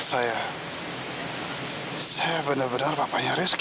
saya benar benar bapaknya rizky